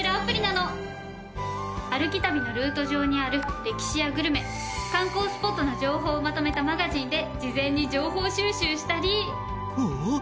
歩き旅のルート上にある歴史やグルメ観光スポットの情報をまとめたマガジンで事前に情報収集したり。